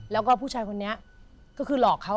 แล้วก็ผู้ชายคนนี้ก็คือหลอกเขา